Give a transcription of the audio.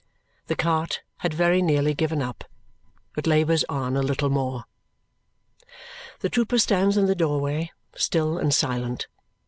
The cart had very nearly given up, but labours on a little more. The trooper stands in the doorway, still and silent.